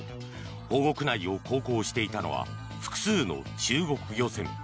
保護区内を航行していたのは複数の中国漁船。